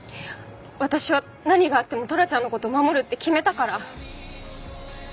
私は何があってもトラちゃんの事守るって決めたから。